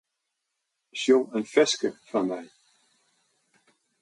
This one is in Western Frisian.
Sjong in ferske foar my.